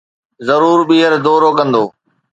ضرور ٻيهر دورو ڪندو